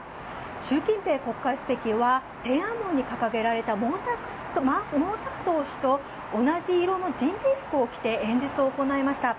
習近平国家主席は天安門広場に掲げられた毛沢東氏と同じ色の人民服を着て演説を行いました。